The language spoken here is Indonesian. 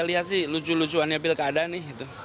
lihat sih lucu lucuannya pil keadaan nih